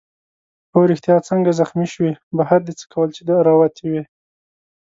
هو ریښتیا څنګه زخمي شوې؟ بهر دې څه کول چي راوتی وې؟